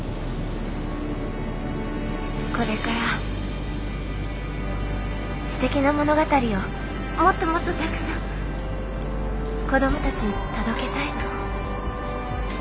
これからすてきな物語をもっともっとたくさん子どもたちに届けたいの。